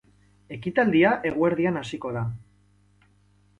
Ekitaldia eguerdian hasiko da.